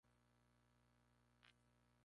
El origen de Shadow King no está claro.